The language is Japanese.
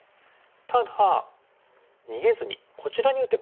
ただ逃げずにこちらに打てばどうですか？